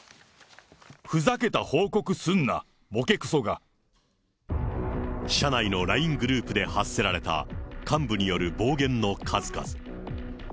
ふざけた報告すんな、社内のＬＩＮＥグループで発せられた、幹部による暴言の数々。